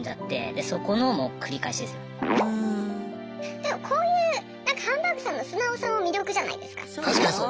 でもこういうハンバーグさんの素直さも魅力じゃないですか？